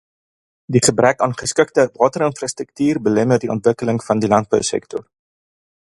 Die gebrek aan geskikte waterinfrastruktuur belemmer die ontwikkeling van die landbousektor.